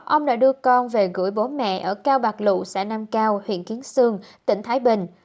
ông đã đưa con về gửi bố mẹ ở cao bạc lụ xã nam cao huyện kiến sương tỉnh thái bình